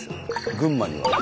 群馬には。